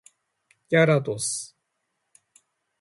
ギャラドス